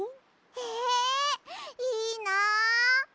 へえいいな！